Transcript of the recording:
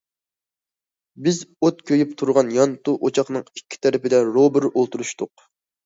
بىز ئوت كۆيۈپ تۇرغان يانتۇ ئوچاقنىڭ ئىككى تەرىپىدە روبىرو ئولتۇرۇشتۇق.